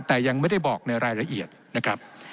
แต่ยังไม่ได้บอกในรายละเอียดนะครับ